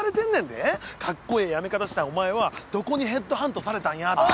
かっこええ辞め方したお前はどこにヘッドハントされたんやとか。